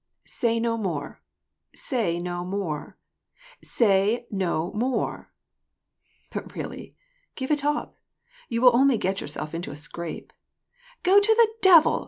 So say no more, say no more, say no more !"" But, really, give it up ! You will only get yourself into a scrape "—" Go to the devil